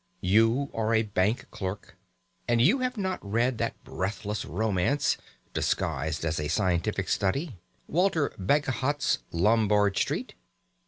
You are a bank clerk, and you have not read that breathless romance (disguised as a scientific study), Walter Bagehot's "Lombard Street"?